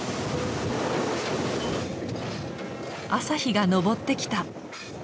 朝日が昇ってきた。